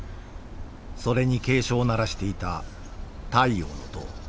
それに警鐘を鳴らしていた太陽の塔。